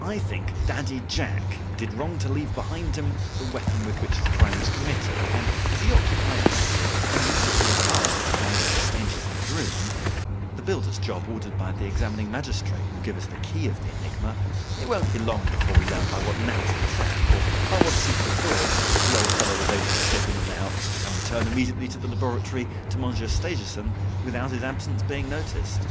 I think Daddy Jacques did wrong to leave behind him the weapon with which the crime was committed and, as he occupied the attic immediately above Mademoiselle Stangerson's room, the builder's job ordered by the examining magistrate will give us the key of the enigma and it will not be long before we learn by what natural trap, or by what secret door, the old fellow was able to slip in and out, and return immediately to the laboratory to Monsieur Stangerson, without his absence being noticed.